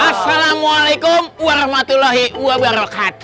assalamualaikum warahmatullahi wabarakatuh